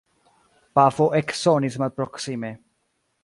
Pafo eksonis malproksime.